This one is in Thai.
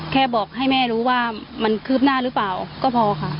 แค่บอกให้แม่รู้ว่ามันคืบหน้าหรือเปล่าก็พอค่ะ